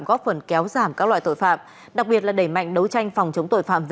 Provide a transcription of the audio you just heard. góp phần kéo giảm các loại tội phạm đặc biệt là đẩy mạnh đấu tranh phòng chống tội phạm